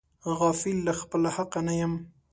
غافل له خپله حقه نه یم.